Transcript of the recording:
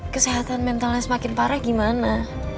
kesehatan mentalnya semakin parah gimana